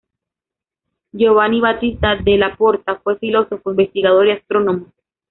Giovanni Battista della Porta fue filósofo, investigador y astrónomo.